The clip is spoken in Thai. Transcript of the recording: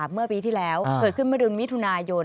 เมื่อปีที่แล้วเกิดขึ้นมารุณมิถุนายน